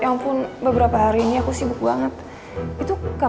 sampai jumpa di video selanjutnya